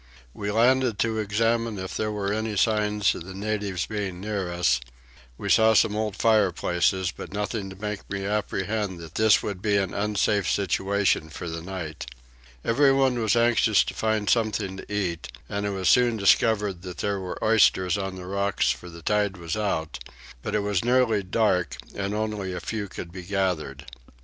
We landed to examine if there were any signs of the natives being near us: we saw some old fireplaces but nothing to make me apprehend that this would be an unsafe situation for the night. Everyone was anxious to find something to eat, and it was soon discovered that there were oysters on the rocks for the tide was out; but it was nearly dark and only a few could be gathered.